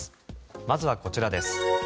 まずはこちらです。